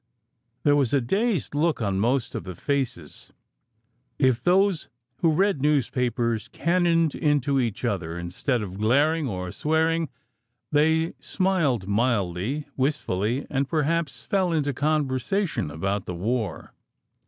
There was a dazed look on most of the faces. If those who read newspapers cannoned into each other, instead of glaring or swearing they smiled mildly, wistfully, and perhaps fell into conversation about the war.